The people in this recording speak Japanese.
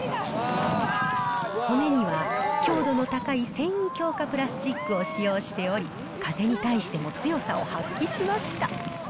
骨には、強度の高い繊維強化プラスチックを使用しており、風に対しても強さを発揮しました。